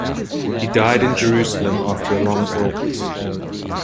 He died in Jerusalem after a long illness.